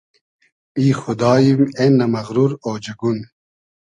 ای خوداییم اېنۂ مئغرور اۉجئگون